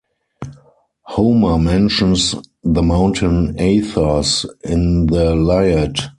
Homer mentions the mountain Athos in the Iliad.